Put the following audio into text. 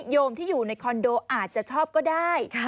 โยมที่อยู่ในคอนโดอาจจะชอบก็ได้